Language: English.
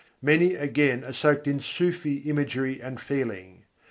Many, again, are soaked in Sûfî imagery and feeling.